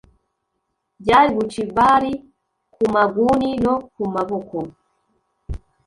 byari bucibari ku maguni no ku maboko.